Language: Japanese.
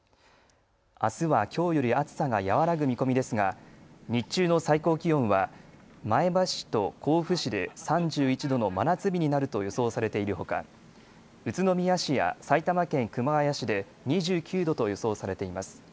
あすはきょうより暑さが和らぐ見込みですが日中の最高気温は前橋市と甲府市で３１度の真夏日になると予想されているほか、宇都宮市や埼玉県熊谷市で２９度と予想されています。